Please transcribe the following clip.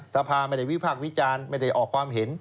สภาไม่ได้วิพากษ์วิจารณ์ไม่ได้ออกความเห็น